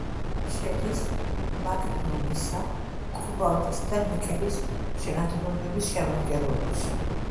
შედის მაგნიუმისა კობალტის და ნიკელის შენადნობების შემადგენლობაში.